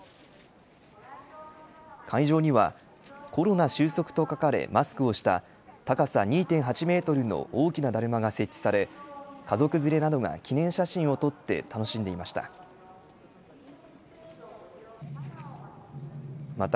会場にはコロナ終息と書かれマスクをした高さ２．８メートルの大きなだるまが設置され家族連れなどが記念写真を撮って楽しんでいました。